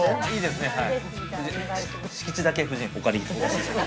いいですね。